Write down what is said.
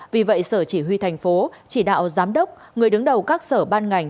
vì vậy sở chỉ huy thành phố chỉ đạo giám đốc người đứng đầu các sở ban ngành